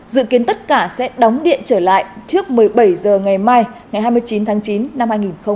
dự kiến tất cả sẽ đóng điện trở lại trước một mươi bảy h ngày mai ngày hai mươi chín tháng chín năm hai nghìn hai mươi